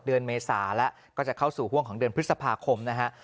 เมษาแล้วก็จะเข้าสู่ห่วงของเดือนพฤษภาคมนะฮะ